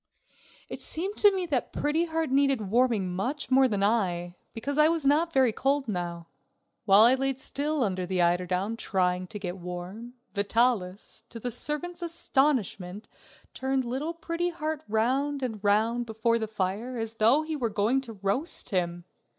It seemed to me that Pretty Heart needed warming much more than I, because I was not very cold now. While I laid still under the eiderdown trying to get warm, Vitalis, to the servant's astonishment, turned little Pretty Heart round and round before the fire as though he were going to roast him.